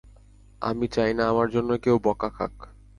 আমি চাই না আমার জন্যে কেউ বকা খাক।